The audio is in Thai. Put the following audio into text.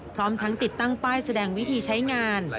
พร้อมทั้งติดตั้งป้ายแสดงวิธีใช้งาน